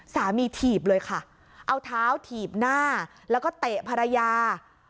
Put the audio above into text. ถีบเลยค่ะเอาเท้าถีบหน้าแล้วก็เตะภรรยา